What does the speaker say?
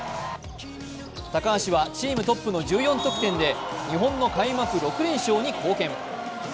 高橋はチームトップの１４得点で日本の開幕６連勝に貢献。